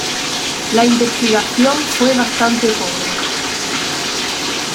La investigación fue bastante pobre.